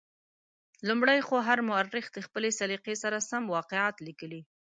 لومړی خو هر مورخ د خپلې سلیقې سره سم واقعات لیکلي.